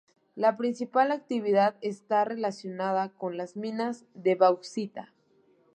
La principal actividad está relacionada con las minas de bauxita.